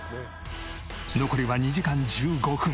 残りは２時間１５分。